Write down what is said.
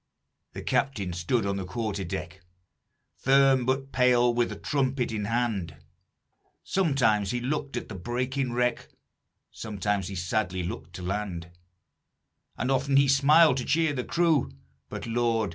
"The captain stood on the quarter deck, Firm but pale with trumpet in hand; Sometimes he looked at the breaking wreck, Sometimes he sadly looked to land; And often he smiled to cheer the crew But, Lord!